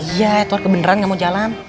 iya edward kebeneran nggak mau jalan